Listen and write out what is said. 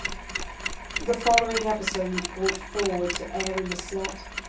The following episode was brought forward to air in the slot.